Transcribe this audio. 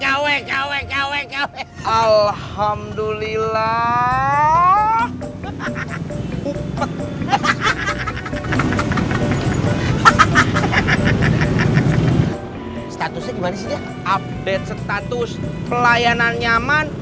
weka weka weka weka weka alhamdulillah hahaha hahaha statusnya abet status pelayanan nyaman